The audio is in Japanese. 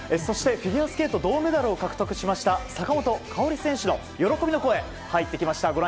そして、フィギュアスケート銅メダルを獲得しました坂本花織選手の喜びの声が入ってきました。